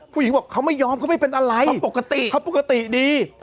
ผู้หญิงบอกเขาไม่ยอมเขาไม่เป็นอะไรปกติเขาปกติดี